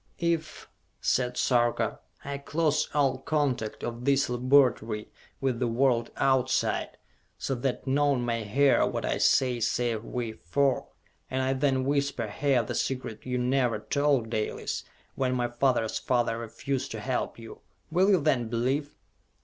"If," said Sarka, "I close all contact of this laboratory with the world outside, so that none may hear what I say save we four, and I then whisper here the secret you never told, Dalis, when my father's father refused to help you will you then believe?"